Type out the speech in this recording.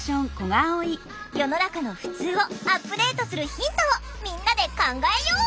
世の中の「ふつう」をアップデートするヒントをみんなで考えよう！